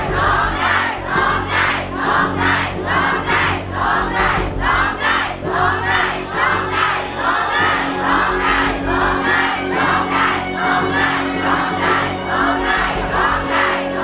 ต้องได้ต้องได้ต้องได้ต้องได้